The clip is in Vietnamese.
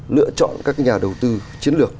lựa chọn các nhà đầu tư chiến lược